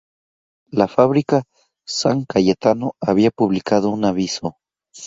La fábrica "San Cayetano" había publicado un aviso.